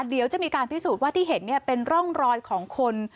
เดี๋ยวจะมีการพิสูจน์ว่าที่เห็นเป็นร่องรอยของคน